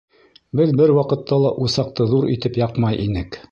Беҙ бер ваҡытта ла усаҡты ҙур итеп яҡмай инек.